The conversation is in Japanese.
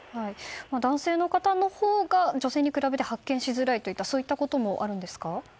男性の方のほうが女性に比べて発見しづらいといったこともあるんですか？